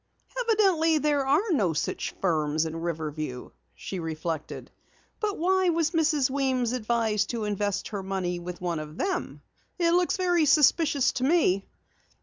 "Evidently there are no such firms in Riverview," she reflected. "But why was Mrs. Weems advised to invest her money with one of them? It looks very suspicious to me!"